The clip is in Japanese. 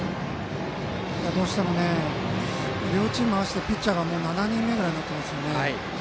どうしてもね両チーム合わせてピッチャーがもう７人目ぐらいですよね。